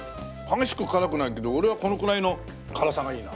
激しく辛くないけど俺はこのくらいの辛さがいいな。